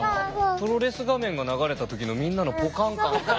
プロレス画面が流れた時のみんなのぽかん感。